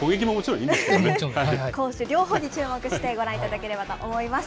攻守両方に注目してご覧いただければと思います。